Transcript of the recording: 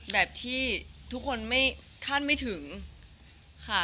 แบบที่ทุกคนไม่คาดไม่ถึงค่ะ